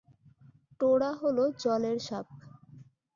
টোড়া হল জলের সাপ।